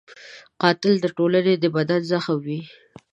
قاتل د ټولنې د بدن زخم وي